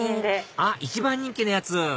あっ一番人気のやつ！